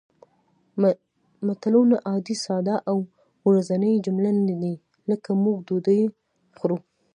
متلونه عادي ساده او ورځنۍ جملې نه دي لکه موږ ډوډۍ خورو